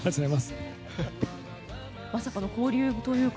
まさかの交流というか。